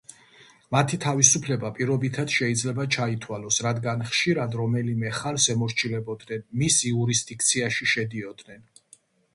მათი თავისუფლება პირობითად შეიძლება ჩაითვალოს, რადგან ხშირად რომელიმე ხანს ემორჩილებოდნენ, მის იურისდიქციაში შედიოდნენ.